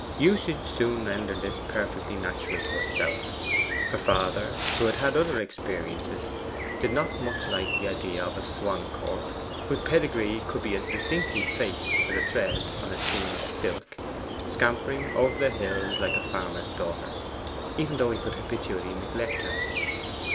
Usage soon rendered this perfectly natural to herself. Her father, who had had other experiences, did not much like the idea of a Swancourt, whose pedigree could be as distinctly traced as a thread in a skein of silk, scampering over the hills like a farmer's daughter, even though he could habitually neglect her.